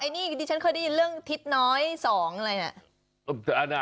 ไอ้นี่ฉันเคยได้ยินเรื่องทิศน้อย๒อะไรน่ะ